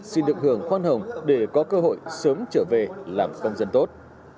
xin được hưởng khoan hồng để có cơ hội sớm trở về làm công dân tốt